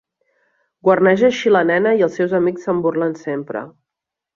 Guarneix així la nena i els seus amics se'n burlen sempre.